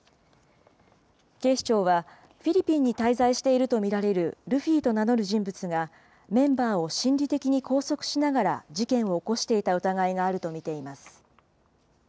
警視庁は、フィリピンに滞在していると見られるルフィと名乗る人物が、メンバーを心理的に拘束しながら、事件を起こしていた疑いがあると見ています。